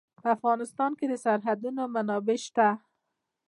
په افغانستان کې د سرحدونه منابع شته.